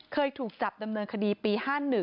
เคยถูกจับดำเนินคดีปี๕๑